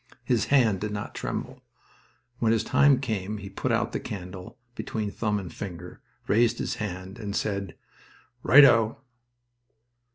His hand did not tremble. When his time came he put out the candle, between thumb and finger, raised his hand, and said, "Right O!"